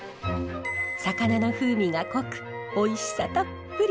魚の風味が濃くおいしさたっぷり！